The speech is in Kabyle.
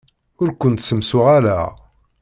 Ur kent-ssemsuɣaleɣ.